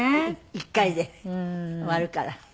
一回で終わるから。